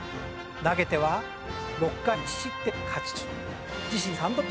投げては６回１失点で勝ち投手。